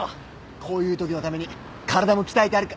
こういうときのために体も鍛えてあるか。